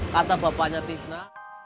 kata bapaknya tisna